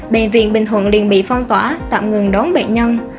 bệnh viện bình thuận liên bị phong tỏa tạm ngừng đón bệnh nhân